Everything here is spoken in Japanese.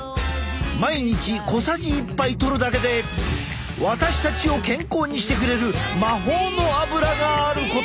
毎日小さじ１杯とるだけで私たちを健康にしてくれる魔法のアブラがあることを！